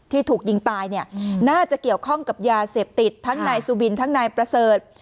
ที่ถูกยิงตายเนี่ยน่าจะเกี่ยวข้องกับยาเสพติดทั้งนายสุบินทั้งนายประเสริฐ